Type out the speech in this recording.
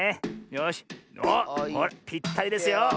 よしおっぴったりですよ。